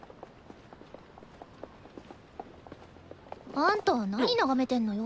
あんたなに眺めてんのよ？